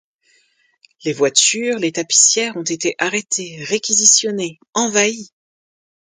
Les voitures, les tapissières ont été arrêtées, réquisitionnées, envahies.